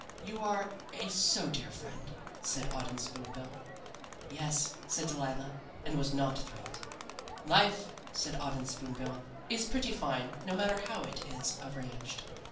"'You are a so dear friend,' said Auden Spoon bill. "'Yes,' said Delilah, and was not thrilled. "'Life,' said Auden Spoon bill, 'is pretty fine, no matter how it is arranged.